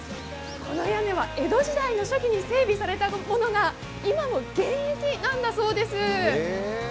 この屋根は江戸時代の初期に整備されたものが今も現役なんだそうです。